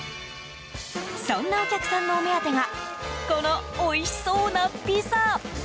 そんなお客さんのお目当てがこのおいしそうなピザ。